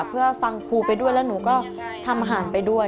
เพื่อฟังครูไปด้วยแล้วหนูก็ทำอาหารไปด้วย